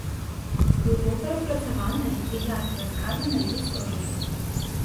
Глыбока распрацаваная і ярка расказаная гісторыя.